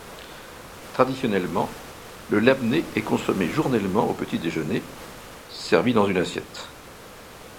Traditionnellement, le labné est consommé journellement au petit-déjeuner, servi dans une assiette.